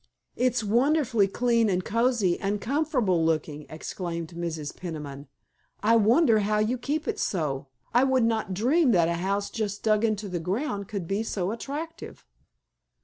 "It's wonderfully clean and cozy and comfortable looking," exclaimed Mrs. Peniman. "I wonder how you keep it so. I would not dream that a house just dug into the ground could be so attractive."